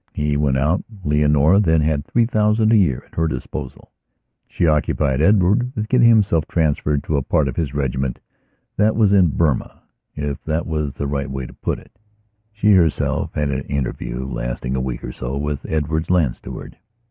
He went out. Leonora then had three thousand a year at her disposal. She occupied Edward with getting himself transferred to a part of his regiment that was in Burmaif that is the right way to put it. She herself had an interview, lasting a week or sowith Edward's land steward.